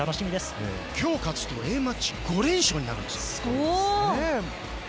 今日勝つとＡマッチ５連勝になるんですよね。